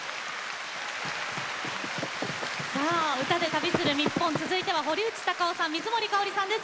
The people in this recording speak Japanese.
さあ「歌で旅するニッポン」続いては堀内孝雄さん水森かおりさんです